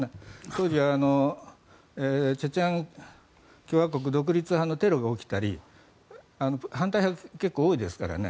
当時はチェチェン共和国独立派のテロが起きたり反対派が結構多いですからね。